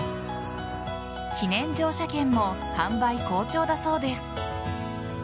記念乗車券も販売好調だそうです。